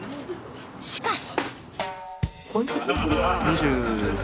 しかし。